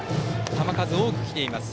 球数多くきています。